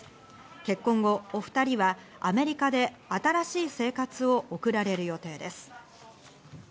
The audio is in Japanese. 結婚後、お２人はアメリカで新しい生活を送られる予定です。